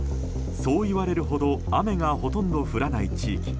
そういわれるほど雨がほとんど降らない地域。